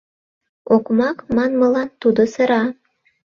— Окмак манмылан тудо сыра.